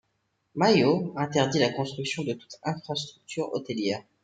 Mai'ao interdit la construction de toute infrastructure hôtelière.